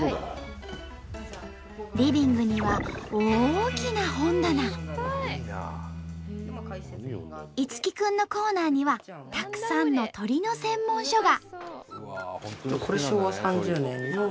リビングには樹くんのコーナーにはたくさんの鳥の専門書が。